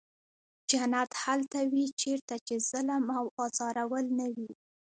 جنت هلته وي چېرته چې ظلم او ازارول نه وي.